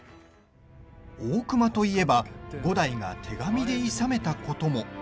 大隈といえば五代が手紙でいさめたことも。